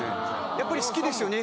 やっぱり好きですよね